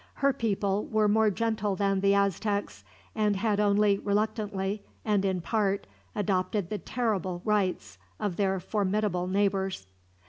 Her people were more gentle than the Aztecs, and had only reluctantly, and in part, adopted the terrible rites of their formidable neighbors.